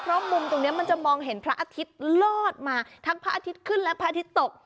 เพราะมุมตรงนี้มันจะมองเห็นพระอาทิตย์ลอดมาทั้งพระอาทิตย์ขึ้นและพระอาทิตย์ตก